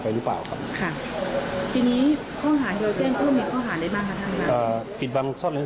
แต่กรรมให้การเขาอย่างนั้นครับ